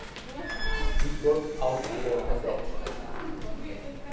He got out for a duck.